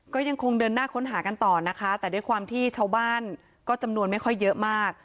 ก็ยังคงเดินหน้าค้นหากันต่อนะคะแต่ด้วยความที่ชาวบ้านก็จำนวนไม่ค่อยเยอะมาก